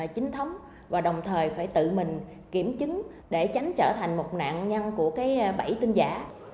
chính thống và đồng thời phải tự mình kiểm chứng để tránh trở thành một nạn nhân của bẫy tin giả